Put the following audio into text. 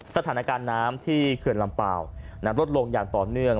สถานการณ์น้ำที่เขื่อนลำเปล่านั้นลดลงอย่างต่อเนื่อง